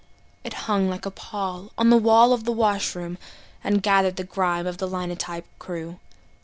It hung like a pall on the wall of the washroom, And gathered the grime of the linotype crew.